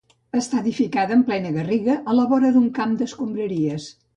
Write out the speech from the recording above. Està edificada en plena garriga, a la vora d'un camp d'escombraries.